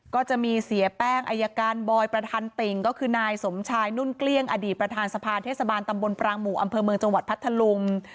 ก็จะมีเสียแป้งอายการบอยประธานติ่งก็คือนายสมชายนุ่นเกลี้ยงอดีตประธานสภาเทศบาลตำบลปรางหมู่อำเภอเมืองจังหวัดพัทธลุง